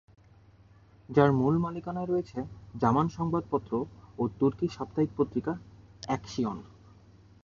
যার মূল মালিকানায় রয়েছে জামান সংবাদপত্র ও তুর্কি সাপ্তাহিক পত্রিকা অ্যাকশিয়ন।